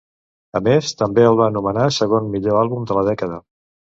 A més, també el va nomenar segon millor àlbum de la dècada.